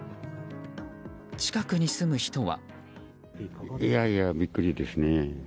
近くに住む人は。